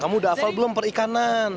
kamu udah hafal belum perikanan